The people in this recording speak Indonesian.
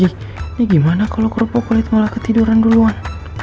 ini gimana kalau kerupuk kulit malah ketiduran duluan